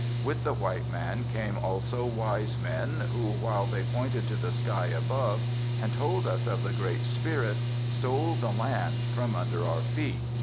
With the white man came also wise men, who, while they pointed to the sky above and told us of the Great Spirit, stole the land from under our feet.